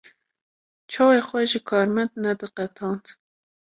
Çavê xwe ji karmend nediqetand.